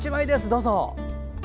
どうぞ。